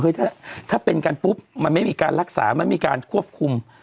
ถ้าเป็นกันปุ๊บมันไม่มีการรักษามันมีการควบคุม